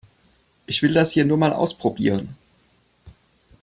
Ich will das hier nur mal ausprobieren.